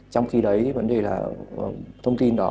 trong khi đấy vấn đề là thông tin đó